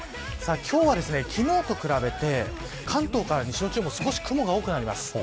今日は、昨日と比べて関東から西の地方少し雲が多くなります。